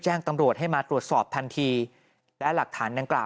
หลังจากพบศพผู้หญิงปริศนาตายตรงนี้ครับ